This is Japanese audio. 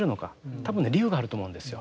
多分ね理由があると思うんですよ。